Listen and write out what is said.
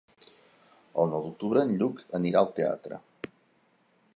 El nou d'octubre en Lluc anirà al teatre.